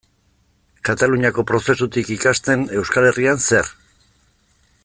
Kataluniako prozesutik ikasten, Euskal Herrian zer?